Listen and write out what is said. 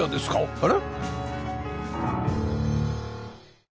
あれ？